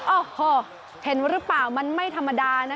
โอ้โหเห็นหรือเปล่ามันไม่ธรรมดานะ